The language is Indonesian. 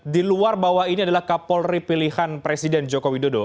di luar bahwa ini adalah kapolri pilihan presiden joko widodo